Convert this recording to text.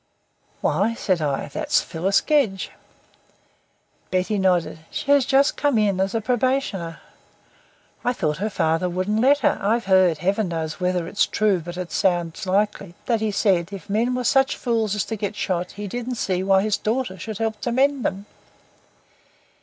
"Why," said I, "there's Phyllis Gedge." Betty nodded. "She has just come in as a probationer." "I thought her father wouldn't let her. I've heard Heaven knows whether it's true, but it sounds likely that he said if men were such fools as to get shot he didn't see why his daughter should help to mend them."